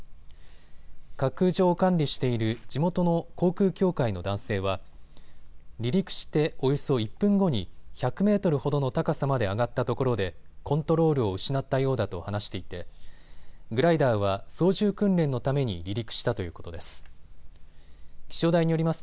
滑空場を管理している地元の航空協会の男性は離陸しておよそ１分後に１００メートルほどの高さまで上がったところでコントロールを失ったようだと話していてグライダーは操縦訓練のために離陸したということです。